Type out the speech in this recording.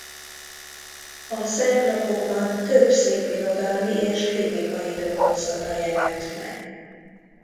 A szerb lapokban több szépirodalmi és kritikai dolgozata jelent meg.